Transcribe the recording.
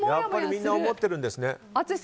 みんな思ってるんですね。